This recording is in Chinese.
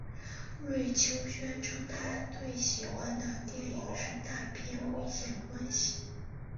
瑞秋宣称他最喜欢的电影是大片危险关系。